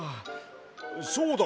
そうだ！